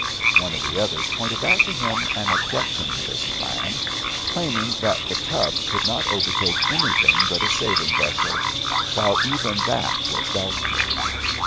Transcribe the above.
One of the others pointed out to him an objection to this plan, claiming that The Tub could not overtake anything but a sailing vessel, while even that was doubtful.